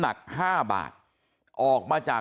สวัสดีครับคุณผู้ชาย